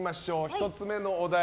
１つ目のお題